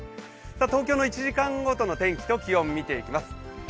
東京の１時間ごとの天気と気温を見ていきます。